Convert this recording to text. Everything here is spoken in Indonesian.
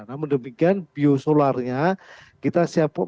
namun demikian biosolarnya kita siapkan